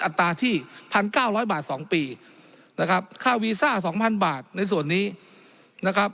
อัตราที่พันเก้าร้อยบาทสองปีนะครับค่าวีซ่าสองพันบาทในส่วนนี้นะครับ